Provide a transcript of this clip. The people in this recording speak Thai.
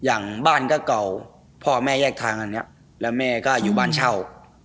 อย่างบ้านก็เก่าพ่อแม่แยกทางอันนี้แล้วแม่ก็อยู่บ้านเช่า